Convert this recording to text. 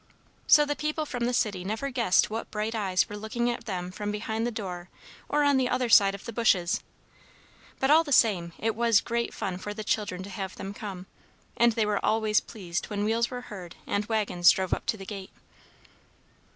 So the people from the city never guessed what bright eyes were looking at them from behind the door or on the other side of the bushes. But all the same, it was great fun for the children to have them come, and they were always pleased when wheels were heard and wagons drove up to the gate.